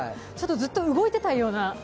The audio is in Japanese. ずっと動いてたいような。